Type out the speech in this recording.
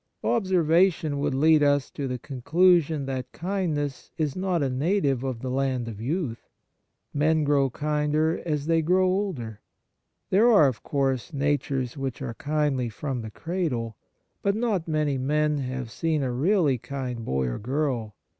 Observation would lead us to the conclusion that kindness is not a native of the land of youth. Men grow kinder as they grow older. There are, of course, natures which are kindly from the cradle. But not many men have seen a really kind boy or girl.